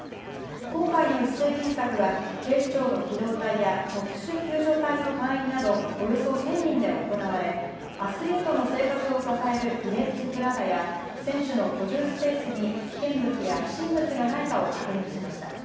今回の一斉検索は、警視庁の機動隊や特殊救助隊の隊員など、およそ１０００人で行われ、アスリートの生活を支えるビレッジプラザや、選手の居住スペースに危険物や不審物がないかを確認しました。